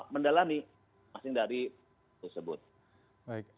mendalami masing masing dari tersebut